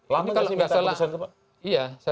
lama sih diminta putusan itu pak